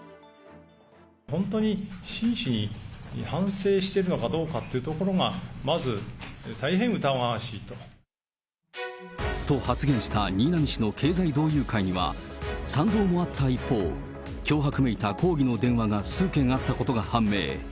本当に真摯に反省しているのかどうかというところが、まず大変疑わしいと。と発言した新浪氏の経済同友会には、賛同もあった一方、脅迫めいた抗議の電話が数件あったことが判明。